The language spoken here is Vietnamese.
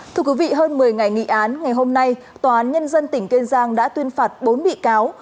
thưa quý vị hơn một mươi ngày nghị án ngày hôm nay tòa án nhân dân tỉnh kiên giang đã tuyên phạt bốn bị cáo